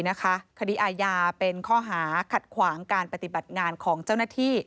คดีอาญาเป็นข้อหาขัดขวางการปฏิบัติงานของเจ้าหน้าที่